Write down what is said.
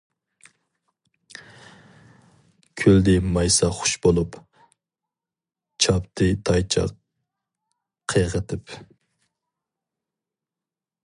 كۈلدى مايسا خۇش بولۇپ، چاپتى تايچاق قىيغىتىپ.